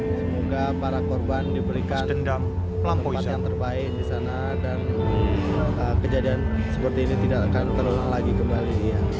semoga para korban diberikan dendam posisi yang terbaik di sana dan kejadian seperti ini tidak akan terlalu lagi kembali